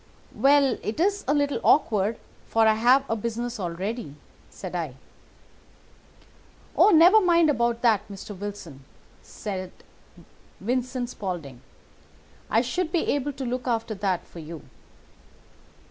"'Well, it is a little awkward, for I have a business already,' said I. "'Oh, never mind about that, Mr. Wilson!' said Vincent Spaulding. 'I should be able to look after that for you.